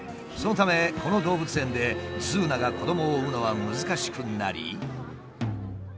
そのためこの動物園でズーナが子どもを産むのは難しくなり。